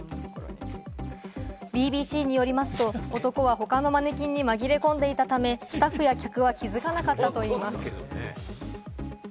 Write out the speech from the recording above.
ＢＢＣによりますと、男は他のマネキンに紛れ込んでいたため、スタッフや客は気付かなかったといいます。